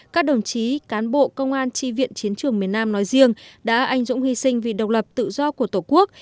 các đồng chí cán bộ công an tri viện chiến trường miền nam nói riêng đã anh dũng hy sinh vì độc lập tự do của tổ quốc